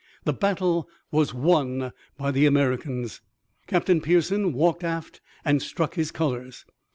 The battle was won by the Americans. Captain Pearson walked aft and struck his colors.